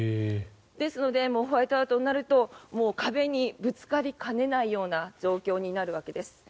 ですのでホワイトアウトになると壁にぶつかりかねないような状況になるわけです。